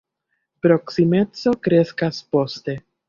Proksimeco kreskas poste.